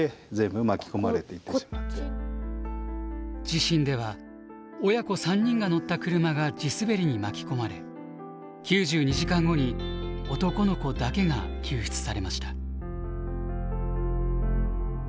地震では親子３人が乗った車が地滑りに巻き込まれ９２時間後に男の子だけが救出されました。